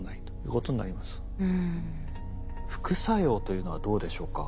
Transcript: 副作用というのはどうでしょうか？